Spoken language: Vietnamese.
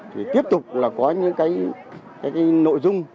thì tiếp tục là có những cái nội dung